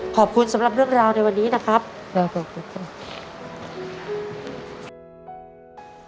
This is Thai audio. ขอบคุณสำหรับเรื่องราวในวันนี้นะครับเราขอบคุณครับ